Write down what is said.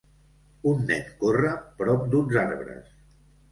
Un nen corre prop d'uns arbres.